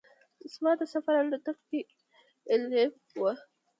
زما د سفر الوتکه کې ایل ایم وه.